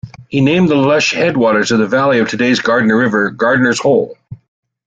He named the lush headwaters valley of today's Gardner River "Gardner's Hole".